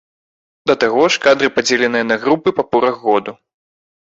Да таго ж, кадры падзеленыя на групы па порах году.